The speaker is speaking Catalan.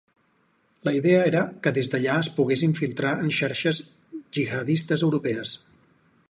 La idea era que des d’allà es pogués infiltrar en xarxes gihadistes europees.